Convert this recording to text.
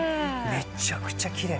めちゃくちゃ奇麗。